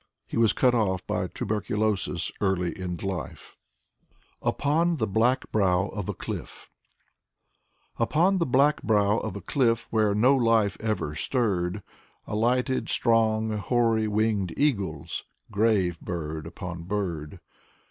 He was cut off by tuberculosis early in life. 144 « Vasily Bashkin 145 UPON THE BLACK BROW OF A CLIFF " Upon the black brow of a cliff where no life ever stirred Alighted strong, hoary winged eagles, grave bird upon bird.